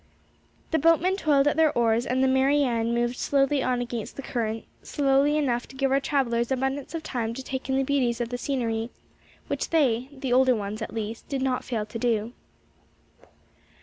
The boatmen toiled at their oars and the Mary Ann moved slowly on against the current, slowly enough to give our travelers abundance of time to take in the beauties of the scenery; which they, the older ones at least, did not fail to do.